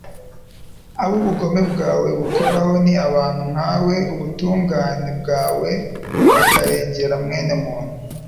abo ubugome bwawe bukoraho ni abantu nkawe, n'ubutungane bwawe bukarengera mwene muntu